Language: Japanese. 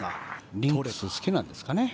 リンクス好きなんですかね？